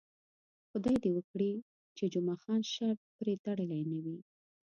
خدای دې وکړي چې جمعه خان شرط پرې تړلی نه وي.